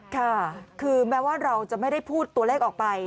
ค่ะคือแม้ว่าเราจะไม่ได้พูดตัวเลขออกไป